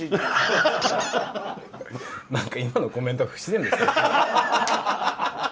何か今のコメントは不自然でしたね。